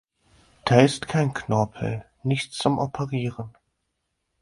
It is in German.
Da ist kein Knorpel, nichts zum Operieren.